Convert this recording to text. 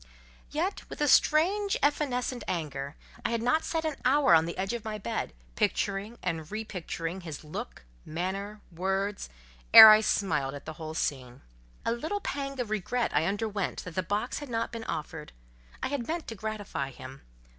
Yet with a strange evanescent anger, I had not sat an hour on the edge of my bed, picturing and repicturing his look, manner, words ere I smiled at the whole scene. A little pang of regret I underwent that the box had not been offered. I had meant to gratify him.